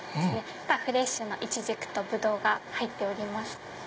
フレッシュなイチジクとブドウが入っております。